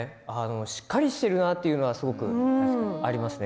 しっかりしているなってすごくありますね。